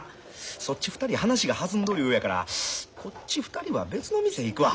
そっち２人話が弾んどるようやからこっち２人は別の店行くわ。